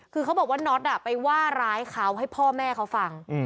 คือเขาบอกว่าน็อตไปว่าร้ายเขาให้พ่อแม่เขาฟัง